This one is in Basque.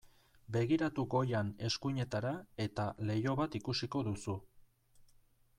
Begiratu goian eskuinetara eta leiho bat ikusiko duzu.